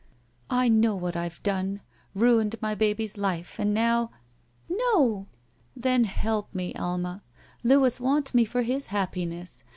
I know what I've done. Ruined my baby's life, and now —" ''No!" ''Then help me, Alma. Louis wants me for his happiness.